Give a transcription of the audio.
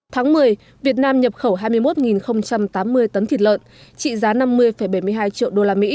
tháng một mươi việt nam nhập khẩu hai mươi một tám mươi tấn thịt lợn trị giá năm mươi bảy mươi hai triệu usd